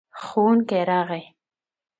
ښوونکی راغی.